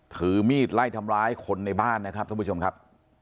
ถือมีดไล่ทำร้ายคนในบ้านนะครับท่านผู้ชมครับ